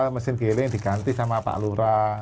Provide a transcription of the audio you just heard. mesin giling diganti sama pak lura